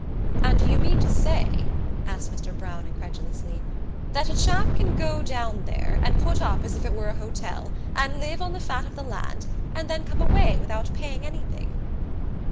"And do you mean to say," asked Mr Browne incredulously, "that a chap can go down there and put up there as if it were a hotel and live on the fat of the land and then come away without paying anything?"